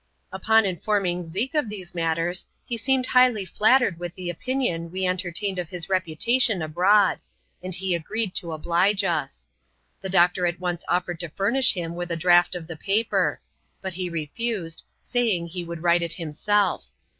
Upon informing Zeke of these matters, he seemed highly fiattered with the opinion we entertained of his reputation abroad ; and he agreed to oblige us. The doctor at once offered to furnish him with a draught of the paper ; but he refused, saying he would write it himself.